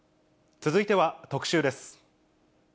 続いては特集です。